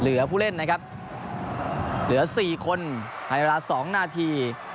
เหลือผู้เล่นนะครับเหลือสี่คนในเวลาสองนาที